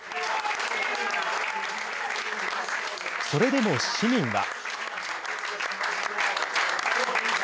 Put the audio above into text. それでも市民は。